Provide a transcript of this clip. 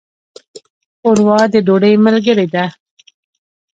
ښوروا د ډوډۍ ملګرې ده.